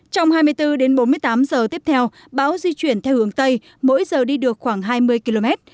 trong hai mươi bốn đến bốn mươi tám giờ tiếp theo bão di chuyển theo hướng tây mỗi giờ đi được khoảng hai mươi km